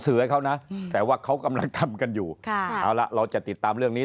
สื่อเขานะแต่ว่าเขากำลังทำกันอยู่เราจะติดตามเรื่องนี้